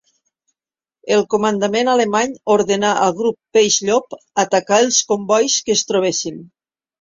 El comandament alemany ordenà al Grup Peix Llop atacar els combois que es trobessin.